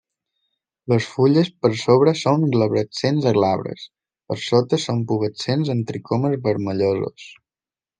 Les fulles per sobre són glabrescents a glabres, per sota són pubescents amb tricomes vermellosos.